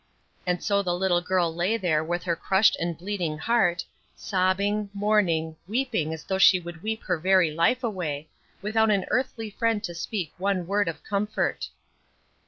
And so the little girl lay there with her crushed and bleeding heart, sobbing, mourning, weeping as though she would weep her very life away, without an earthly friend to speak one word of comfort.